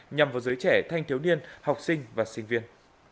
nhằm vào giới trẻ thanh thiếu niên học sinh và sinh viên